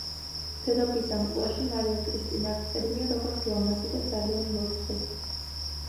დედოფლის ამპლუაში მარია კრისტინა აღწერილია როგორც ლამაზი და ძალიან მორცხვი.